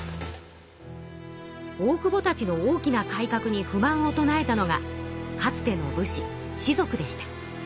大久保たちの大きな改革に不満を唱えたのがかつての武士士族でした。